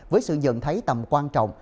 với sự nhận thấy tầm quan trọng